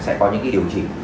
sẽ có những cái điều chỉnh